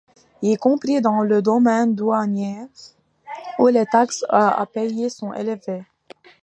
Y compris dans le domaine douanier où les taxes à payer sont élevées.